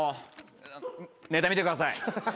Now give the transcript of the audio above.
ネタ見てください。